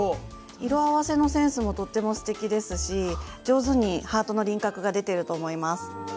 色合わせのセンスもとってもすてきですし上手にハートの輪郭が出てると思います。